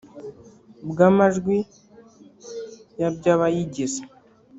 bw amajwi ya by abayigize